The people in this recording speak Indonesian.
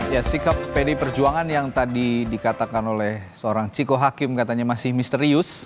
ya sikap pdi perjuangan yang tadi dikatakan oleh seorang ciko hakim katanya masih misterius